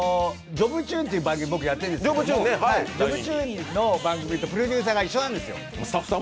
「ジョブチューン」という番組をやっているんですけど、「ジョブチューン」の番組とプロデューサーさんが一緒なんですよ。